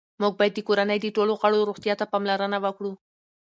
موږ باید د کورنۍ د ټولو غړو روغتیا ته پاملرنه وکړو